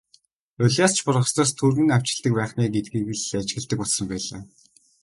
Улиас ч бургаснаас түргэн навчилдаг байх нь ээ гэдгийг л ажигладаг болсон байлаа.